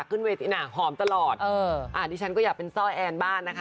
ขึ้นเวทีน่ะหอมตลอดเอออ่าดิฉันก็อยากเป็นซ่อยแอนบ้านนะคะ